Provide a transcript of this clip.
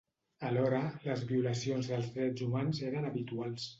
Alhora, les violacions dels drets humans eren habituals.